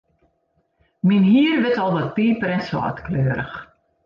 Myn hier wurdt al wat piper-en-sâltkleurich.